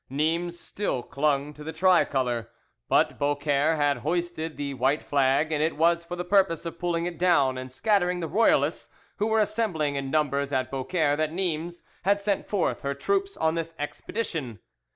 Nimes still clung to the tricolour, but Beaucaire had hoisted the white flag, and it was for the purpose of pulling it down and scattering the Royalists who were assembling in numbers at Beaucaire that Nimes had sent forth her troops on this expedition.